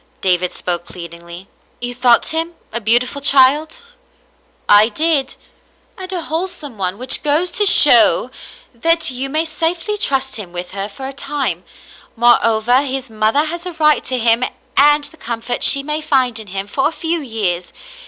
David spoke plead ingly, *' You thought him a beautiful child ?"*' I did, and a wholesome one, which goes to show that you may safely trust him with her for a time. Moreover, his mother has a right to him and the comfort she may find in him for a few years.